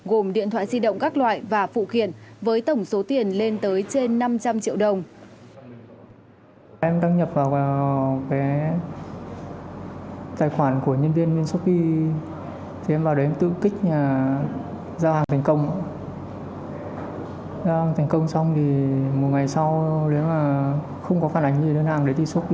gồm điện thoại di động các loại và phụ kiện với tổng số tiền lên tới trên năm trăm linh triệu đồng